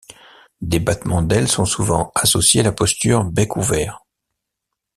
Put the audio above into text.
Des battements d'ailes sont souvent associés à la posture bec ouvert.